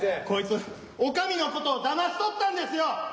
こいつ女将のことをだましとったんですよ！